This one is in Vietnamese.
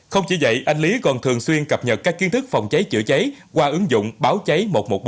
không chỉ vậy anh lý còn thường xuyên cập nhật các kiến thức phòng cháy chữa cháy qua ứng dụng báo cháy một trăm một mươi bốn